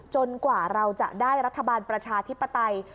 กว่าเราจะได้รัฐบาลประชาธิปไตย